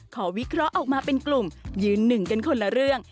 วิเคราะห์ออกมาเป็นกลุ่มยืนหนึ่งกันคนละเรื่อง